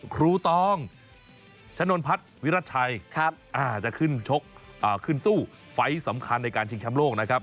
ครูตองชะนวลพัดวิรัชชัยจะขึ้นสู้ไฟต์สำคัญในการชิงชำโลกนะครับ